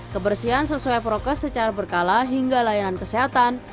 kebersihan sesuai prokes secara berkala hingga layanan kesehatan